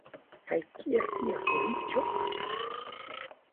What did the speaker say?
Kaj kia tia feliĉo?